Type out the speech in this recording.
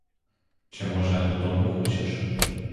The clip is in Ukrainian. Чи, може, додому хочеш?